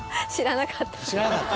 知らなかった！